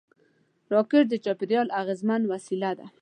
راکټ د چاپېریال اغېزمن وسیله ده